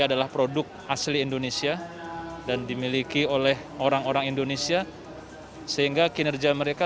adalah produk asli indonesia dan dimiliki oleh orang orang indonesia sehingga kinerja mereka